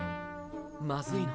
まずいな。